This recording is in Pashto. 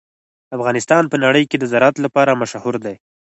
افغانستان په نړۍ کې د زراعت لپاره مشهور دی.